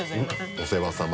お世話さま。